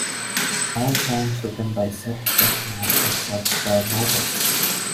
All songs written by Seth Justman except where noted.